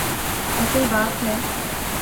اصل بات ہے۔